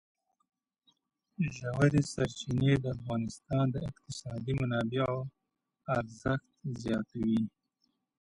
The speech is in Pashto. ژورې سرچینې د افغانستان د اقتصادي منابعو ارزښت زیاتوي.